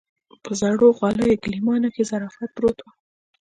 په زړو غاليو ګيلمانو کې ظرافت پروت و.